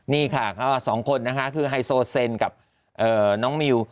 นี่ค่ะก็สองคนนะคะคือไฮโซเซนกับน้องมิว